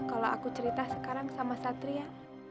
kalau aku cerita sekarang sama satria